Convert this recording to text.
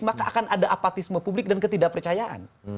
maka akan ada apatisme publik dan ketidak percayaan